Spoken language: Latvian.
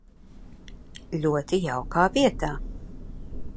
Ļoti jaukā vietā.